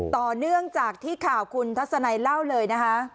ต่อเนื่องจากที่ข่าวคุณทัศนัยเล่าเลยนะคะ